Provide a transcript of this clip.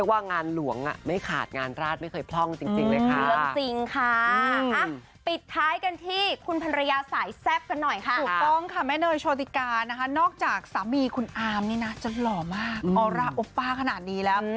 หากสามีคุณเอมมี่น่าจะหล่อมากออร่าโอป้าขนาดนี้แล้ว